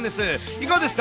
いかがですか？